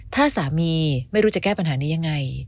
ถ้าสามีไม่รู้จะแก้ปัญหานี้ยังไง